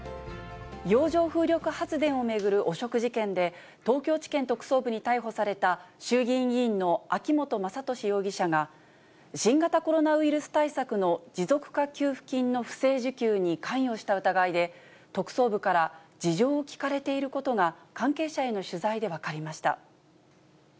洋上風力発電を巡る汚職事件で、東京地検特捜部に逮捕された衆議院議員の秋本真利容疑者が、新型コロナウイルス対策の持続化給付金の不正受給に関与した疑いで、特捜部から事情を聴かれていることが、関係者への取材で分かりました。